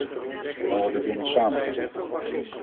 Dan worden dingen samengevoegd.